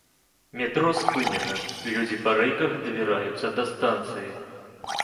Метро спынена, людзі па рэйках дабіраюцца да станцыі.